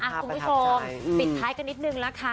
คุณผู้ชมปิดท้ายกันนิดนึงละค่ะ